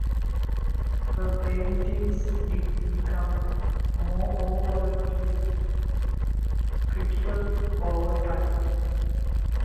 Her paintings did become more overtly critical over time.